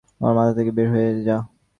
আমার মাথা থেকে বের হয়ে যা!